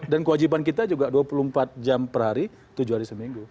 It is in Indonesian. dan kewajiban kita juga dua puluh empat jam per hari tujuh hari seminggu